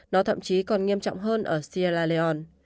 nó thậm chí còn nghiêm trọng hơn ở sierra leone